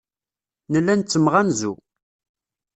Nella nettemɣanzu.